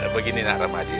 begini nara madi